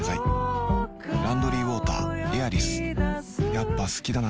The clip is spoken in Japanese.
やっぱ好きだな